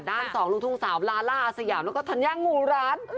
สองลูกทุ่งสาวลาล่าอาสยามแล้วก็ธัญญามูรัส